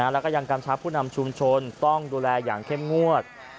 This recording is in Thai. แล้วก็ยังกำชับผู้นำชุมชนต้องดูแลอย่างเข้มงวด